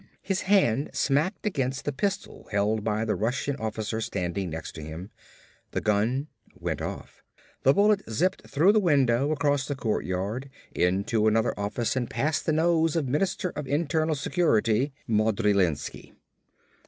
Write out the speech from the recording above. His hand smacked against the pistol held by the Russian officer standing next to him. The gun went off. The bullet zipped through the window, across the courtyard, into another office and past the nose of Minister of Internal Security, Modrilensky.